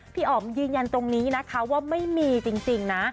อ๋อมยืนยันตรงนี้นะคะว่าไม่มีจริงนะ